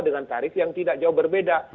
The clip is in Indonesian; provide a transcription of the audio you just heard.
dengan tarif yang tidak jauh berbeda